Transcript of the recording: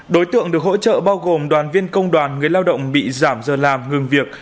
đối tượng được hỗ trợ bao gồm đoàn viên công đoàn người lao động bị giảm giờ làm ngừng việc